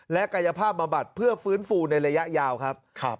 และกายภาพบำบัดเพื่อฟื้นฟูในระยะยาวครับ